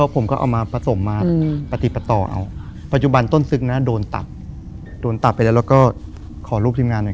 ผมก็เอามาผสมมาปฏิปริปรัติปราย